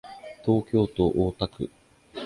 東京都大田区